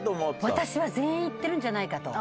私は全員いってるんじゃないかと。